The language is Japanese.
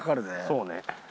そうね。